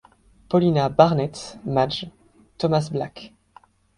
Paulina Barnett, Madge, Thomas Black.